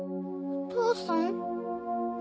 お母さん？